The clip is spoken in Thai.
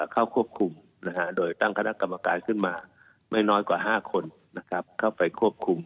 เข้าควบคุมโดยตั้งคณะกรรมการขึ้นมาไม่น้อยกว่า๕คนเข้าไปควบคุม